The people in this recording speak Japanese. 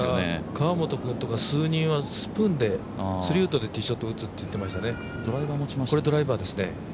河本君とか数人はスプーンで、３ウッドでティーショットを映っていってましたからね、これはドライバーですね。